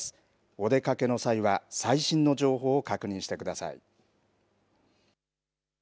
お出かけの際は、最新の情報を確認してください。